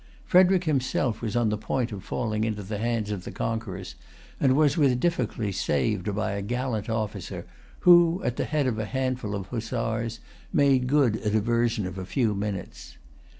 Frederic himself was on the point of falling into the hands of the conquerors, and was with difficulty saved by a gallant officer, who, at the head of a handful of Hussars, made good a diversion of a few minutes.